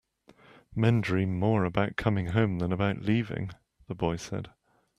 "Men dream more about coming home than about leaving," the boy said.